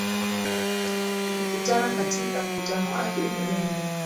umekutana katika mkutano wake wenye lengo